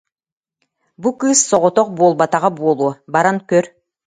Бу кыыс соҕотох буолбатаҕа буолуо, баран көр